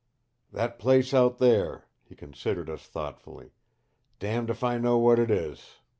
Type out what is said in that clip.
"That place out there " he considered us thoughtfully. "Damned if I know what it is.